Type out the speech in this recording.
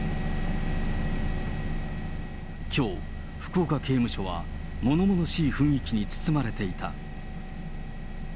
きょう、福岡刑務所は物々しい雰囲気に包まれていた。